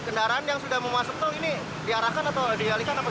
kendaraan yang sudah mau masuk tol ini diarahkan atau dialihkan apa